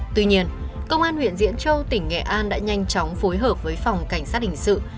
tuy nhiên công an huyện diễn châu tỉnh nghệ an đã nhanh chóng phối hợp với phòng cảnh sát hình sự